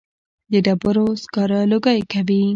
د ډبرو سکاره لوګی کوي